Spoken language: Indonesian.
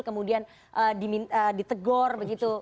kemudian ditegor begitu